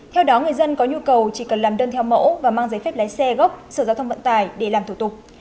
theo đó người dân có nhu cầu chỉ cần làm đơn theo mẫu và mang giấy phép lái xe gốc sở giao thông vận tải để làm thủ tục